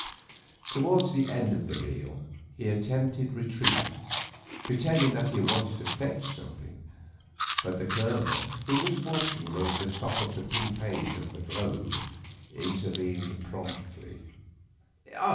Towards the end of the meal he attempted retreat, pretending that he wanted to fetch something, but the Colonel, who was watching him over the top of the pink page of the "Globe," intervened promptly.